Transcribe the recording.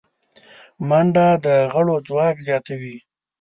منډه د غړو ځواک زیاتوي